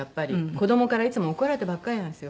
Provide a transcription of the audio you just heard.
子供からいつも怒られてばっかりなんですよ。